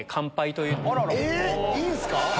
いいんすか？